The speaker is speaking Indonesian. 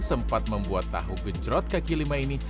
sempat membuat tahu gencrot kaki lima ini